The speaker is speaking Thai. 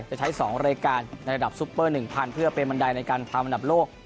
ใช้สองรายการระดับซูเปอร์๑๐๐๐เพื่อเป็นบันไดในการพาคมันดับโลก